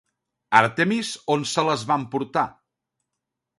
Àrtemis on se les va emportar?